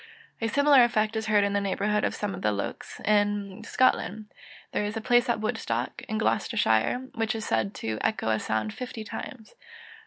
A similar effect is heard in the neighbourhood of some of the Lochs in Scotland. There is a place at Woodstock, in Gloucestershire, which is said to echo a sound fifty times.